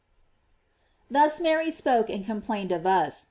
Thus Mary spoke and complained of us.